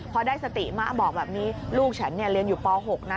พอได้สติมะบอกแบบนี้ลูกฉันเรียนอยู่ป๖นะ